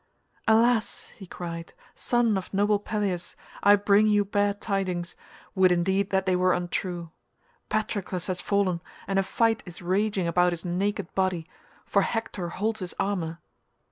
"Alas," he cried, "son of noble Peleus, I bring you bad tidings, would indeed that they were untrue. Patroclus has fallen, and a fight is raging about his naked body—for Hector holds his armour."